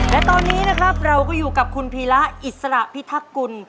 และตอนนี้นะครับเราก็อยู่กับคุณพีระอิสระพิทักกุล